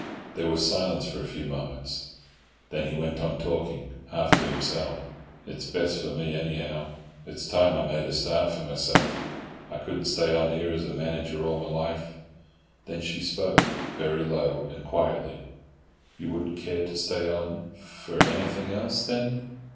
There was silence for a few moments, then he went on talking, half to himself. "It's best for me, anyhow. It's time I made a start for myself. I couldn't stay on here as manager all my life." Then she spoke, very low and quietly. "You wouldn't care to stay on—for anything else, then?"